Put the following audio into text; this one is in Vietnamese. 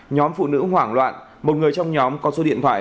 nhóm phụ nữ hoảng loạn một người trong nhóm có số điện thoại